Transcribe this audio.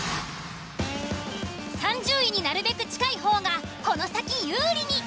３０位になるべく近い方がこの先有利に。